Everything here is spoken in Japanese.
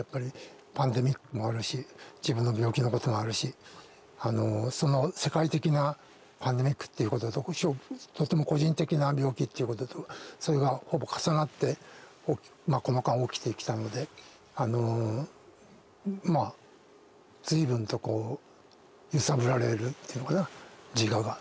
パンデミックもあるし自分の病気のこともあるしその世界的なパンデミックっていうことととても個人的な病気っていうこととそれがほぼ重なってこの間起きてきたのでまあ随分とこう揺さぶられるっていうのかな自我が。